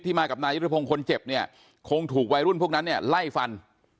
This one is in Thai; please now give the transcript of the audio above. มากับนายุทธพงศ์คนเจ็บเนี่ยคงถูกวัยรุ่นพวกนั้นเนี่ยไล่ฟัน